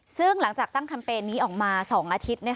ซึ่งหลังจากตั้งแคมเปญนี้ออกมา๒อาทิตย์